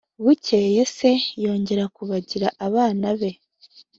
bukeye se yongera kubagira abana be